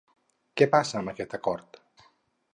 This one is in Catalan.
Què passa amb aquest acord?